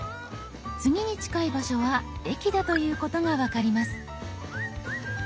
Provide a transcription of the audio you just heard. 次に近い場所は駅だということが分かります。